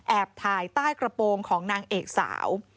ถ่ายใต้กระโปรงของนางเอกสาว